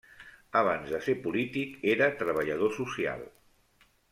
Abans de ser polític, era treballador social.